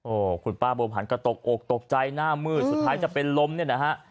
โอ้คุณป้าโบพันก็ตกออกตกใจหน้ามืดสุดท้ายจะไปล้มนะฮะ